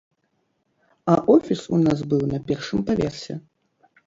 А офіс у нас быў на першым паверсе.